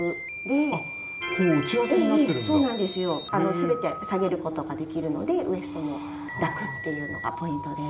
全て下げることができるのでウエストも楽っていうのがポイントです。